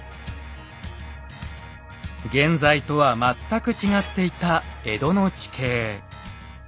現在とは全く違っていた江戸の地形。